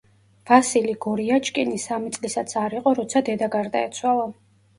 ვასილი გორიაჩკინი სამი წლისაც არ იყო, როცა დედა გარდაეცვალა.